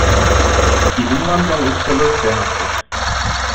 Die Umwandlung ist verlustbehaftet.